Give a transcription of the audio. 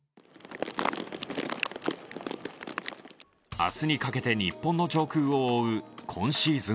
明日にかけて日本の上空を覆う今シーズン